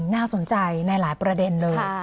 น่าสนใจในหลายประเด็นเลย